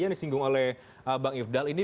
yang disinggung oleh bang ifdal ini